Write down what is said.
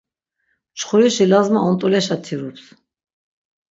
Mçxurişi lazma ont̆uleşa tirups.